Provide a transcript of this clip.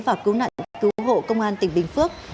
và cứu nạn cứu hộ công an tỉnh bình phước